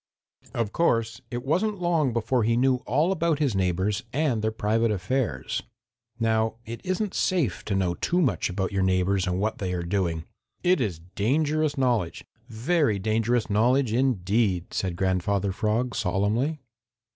Of course it wasn't long before he knew all about his neighbors and their private affairs. Now it isn't safe to know too much about your neighbors and what they are doing. It is dangerous knowledge, very dangerous knowledge indeed," said Grandfather Frog solemnly.